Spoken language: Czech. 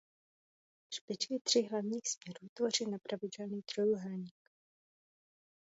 Špičky tří hlavních směrů tvoří nepravidelný trojúhelník.